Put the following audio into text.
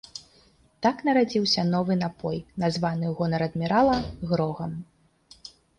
Так нарадзіўся новы напой, названы ў гонар адмірала грогам.